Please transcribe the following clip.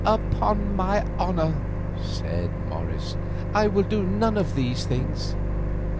"Upon my honour," said Morris, "I will do none of these things."